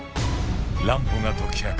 乱歩が解き明かす